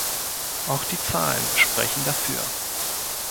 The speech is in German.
Auch die Zahlen sprechen dafür.